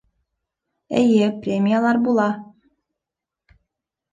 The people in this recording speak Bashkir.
Эйе, премиялар була